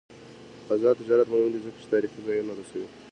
آزاد تجارت مهم دی ځکه چې تاریخي ځایونه رسوي.